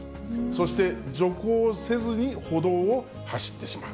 そして、徐行せずに歩道を走ってしまう。